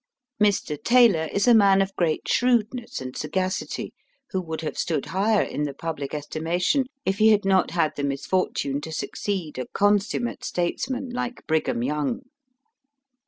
Mr. Taylor is a man of great shrewdness Digitized by VjOOQIC 102 EAST BY WEST. and sagacity, who would have stood higher in the public estimation if he had not had the misfortune to succeed a consummate states man like Brigham Young.